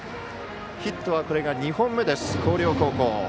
ヒットはこれが２本目です広陵高校。